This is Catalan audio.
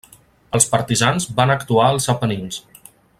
Els partisans van actuar als Apenins.